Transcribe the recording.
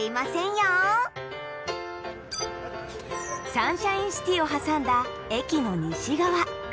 サンシャインシティを挟んだ駅の西側。